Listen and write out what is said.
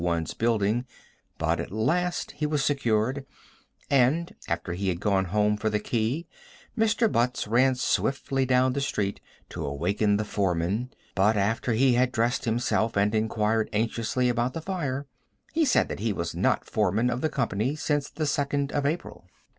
1's building, but at last he was secured, and, after he had gone home for the key, Mr. Butts ran swiftly down the street to awaken the foreman, but, after he had dressed himself and inquired anxiously about the fire, he said that he was not foreman of the company since the 2d of April.